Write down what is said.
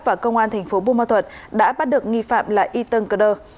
và công an thành phố bùa ma thuật đã bắt được nghi phạm là y tân cờ đơ